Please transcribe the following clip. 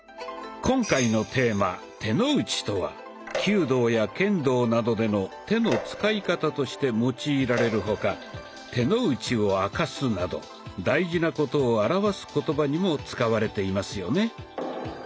今回のテーマ「手の内」とは弓道や剣道などでの手の使い方として用いられる他「手の内を明かす」など大事なことを表す言葉にも使われていますよね。